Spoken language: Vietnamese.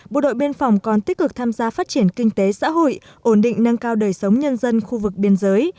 bộ đội biên phòng còn tích cực tham gia phát triển kinh tế xã hội ổn định nâng cao đời sống nhân dân khu vực biên giới